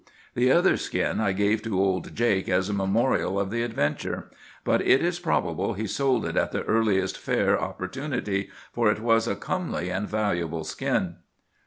The other skin I gave to old Jake as a memorial of the adventure; but it is probable he sold it at the earliest fair opportunity, for it was a comely and valuable skin."